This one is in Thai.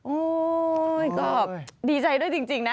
โอ้ยก็ดีใจด้วยจริงนะ